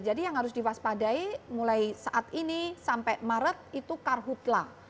jadi yang harus diwaspadai mulai saat ini sampai maret itu karhutlah